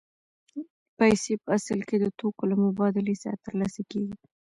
پیسې په اصل کې د توکو له مبادلې څخه ترلاسه کېږي